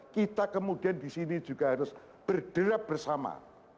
kita kemudian disini juga harus berderap bersama